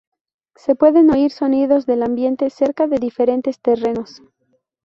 Se pueden oír sonidos del ambiente cerca de diferentes terrenos.